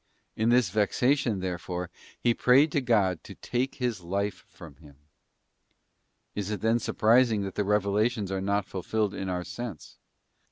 t In his vexation, therefore, he prayed God to take his life from him. Is it then surprising that the revelations are not fulfilled in our sense?